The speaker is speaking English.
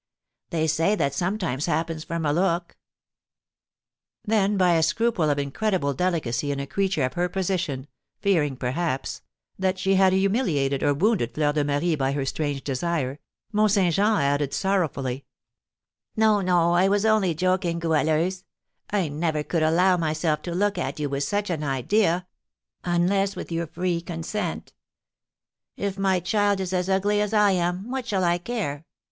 They say that sometimes happens from a look." Then by a scruple of incredible delicacy in a creature of her position, fearing, perhaps, that she had humiliated or wounded Fleur de Marie by her strange desire, Mont Saint Jean added, sorrowfully: "No, no, I was only joking, Goualeuse; I never could allow myself to look at you with such an idea, unless with your free consent. If my child is as ugly as I am, what shall I care?